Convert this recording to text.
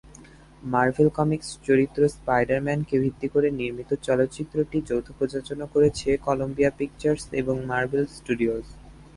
Marvel Comics চরিত্র স্পাইডার-ম্যানকে ভিত্তি করে নির্মিত চলচ্চিত্রটি যৌথ-প্রযোজনা করেছে কলাম্বিয়া পিকচার্স এবং মার্ভেল স্টুডিওজ।